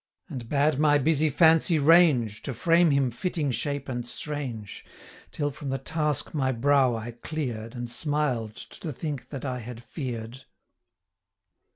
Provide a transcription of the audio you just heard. And bade my busy fancy range, To frame him fitting shape and strange, Till from the task my brow I clear'd, 225 And smiled to think that I had fear'd.